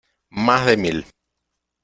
¡ más de mil!